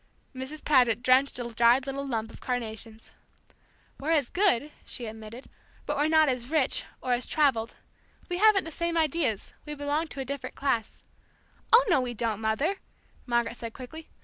Mrs. Paget drenched a dried little dump of carnations. "We're as good," she admitted; "but we're not as rich, or as travelled, we haven't the same ideas; we belong to a different class." "Oh, no, we don't, Mother," Margaret said quickly.